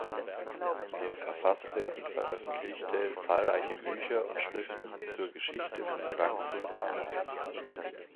Er verfasste und veröffentlichte zahlreiche Bücher und Schriften zur Geschichte von Frankfurt am Main.